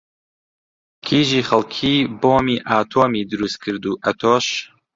کیژی خەڵکی بۆمی ئاتۆمی دروست کرد و ئەتۆش